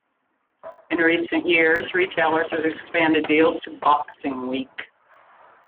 In recent years, retailers have expanded deals to "Boxing Week".